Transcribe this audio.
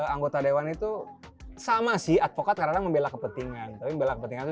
anggota dewan itu sama sih advokat karena membela kepentingan tapi bela kepentingan